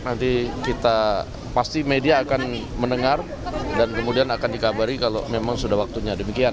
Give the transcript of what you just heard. nanti kita pasti media akan mendengar dan kemudian akan dikabari kalau memang sudah waktunya demikian